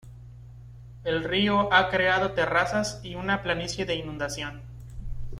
El río ha creado terrazas y una planicie de inundación.